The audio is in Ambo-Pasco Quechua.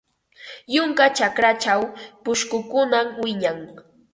Yunka chakrachaw pushkukunam wiñan.